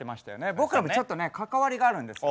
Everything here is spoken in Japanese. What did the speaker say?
僕らもちょっとね関わりがあるんですよ。